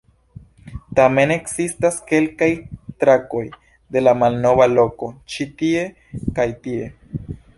Tamen ekzistas kelkaj trakoj de la malnova loko, ĉi tie kaj tie.